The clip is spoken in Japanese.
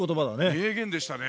名言でしたね。